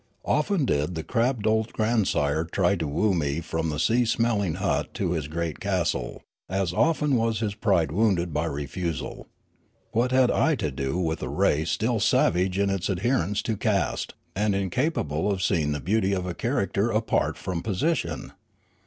Often did the crabbed old grandsire try to woo me from the sea smelling hut to his great castle ; as often was his pride wounded by refusal. What had I to do with a race still savage in its adherence to caste, and incapable of seeing the beauty of a character apart from position